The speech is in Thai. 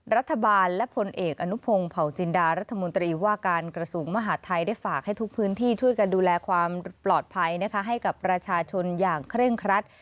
รัฐบาลและผลเอกอนุพงศ์เผาจินดารัฐมนตรีว่าการกระทรวงมหาดไทยได้ฝากให้ทุกพื้นที่ช่วยกันดูแลความปลอดภัยนะคะให้กับประชาชนอย่างเคร่งครัด